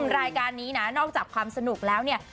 รายการนี้นะนอกจากความสนุกแล้วเนี่ย